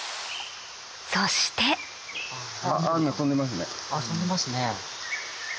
そして・飛んでますね・